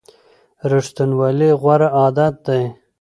ریښتینولي غوره عادت دی.